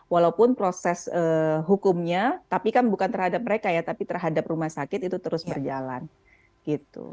walaupun proses hukumnya tapi kan bukan terhadap mereka ya tapi terhadap rumah sakit itu terus berjalan gitu